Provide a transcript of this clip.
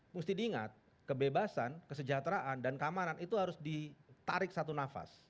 mesti diingat kebebasan kesejahteraan dan keamanan itu harus ditarik satu nafas